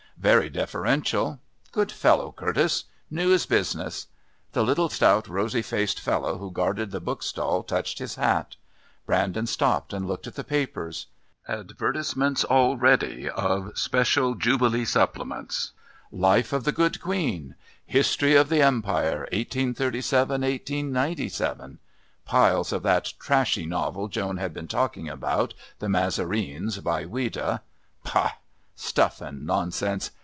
Very deferential. Good fellow, Curtis. Knew his business. The little, stout, rosy faced fellow who guarded the book stall touched his hat. Brandon stopped and looked at the papers. Advertisements already of special Jubilee supplements "Life of the Good Queen," "History of the Empire, 1837 1897." Piles of that trashy novel Joan had been talking about, The Massarenes, by Ouida. Pah! Stuff and nonsense.